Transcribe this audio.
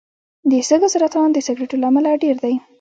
د سږو سرطان د سګرټو له امله ډېر دی.